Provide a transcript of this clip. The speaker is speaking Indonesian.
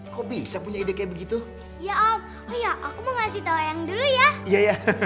kok bisa punya ide kayak begitu ya om oh ya aku mau ngasih tahu yang dulu ya ya